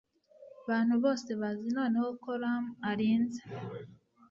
bantu bose bazi noneho ko Rum arinze